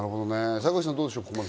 坂口さん、どうでしょう？